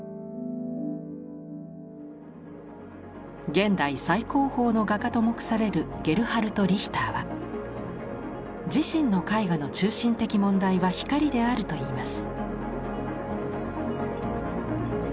「現代最高峰の画家」と目されるゲルハルト・リヒターは「自身の絵画の中心的問題は『光』である」と言います。